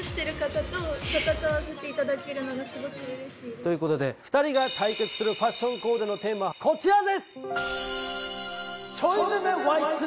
という事で２人が対決するファッションコーデのテーマこちらです！